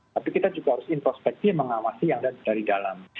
tapi kita juga harus introspeksi mengawasi yang dari dalam